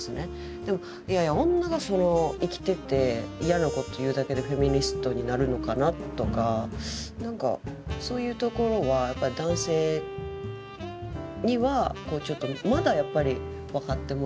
でもいやいや女が生きてて嫌なこと言うだけでフェミニストになるのかな？とかなんかそういうところは男性にはまだやっぱり分かってもらえない。